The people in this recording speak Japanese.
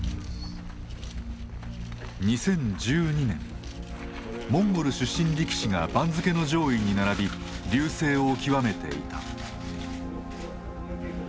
２０１２年モンゴル出身力士が番付の上位に並び隆盛を極めていた。